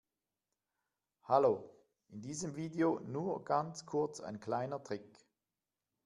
Hallo, in diesem Video nur ganz kurz ein kleiner Trick.